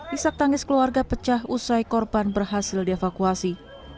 isak tangis keluarga pecah usai korban berhasil dievakuasi